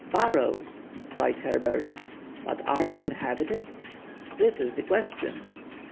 "Burrows!" cried Herbert. "But are they inhabited?" "That is the question."